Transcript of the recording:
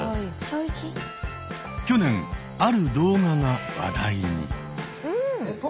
去年ある動画が話題に。